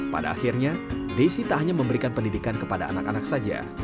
pada akhirnya desi tak hanya memberikan pendidikan kepada anak anak saja